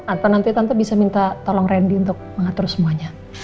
atau nanti tante bisa minta tolong randy untuk mengatur semuanya